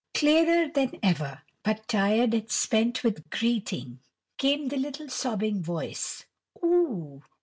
Clearer than ever, but tired and spent with greeting came the little sobbing voice "Ooh!